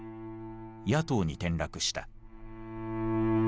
野党に転落した。